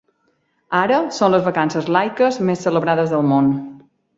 Ara són les vacances laiques més celebrades del món.